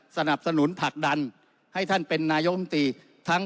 สนับสนุนผลักดันให้ท่านเป็นนายกรรมตรีทั้ง